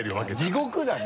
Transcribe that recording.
地獄だね。